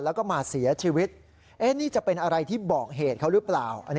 แล้วก็มาเสียชีวิตนี่จะเป็นอะไรที่บอกเหตุเขาหรือเปล่า